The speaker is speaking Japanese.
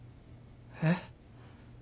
えっ？